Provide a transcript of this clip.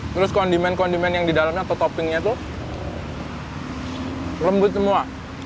terus kondimen kondimen yang di dalamnya atau toppingnya tuh lembut semua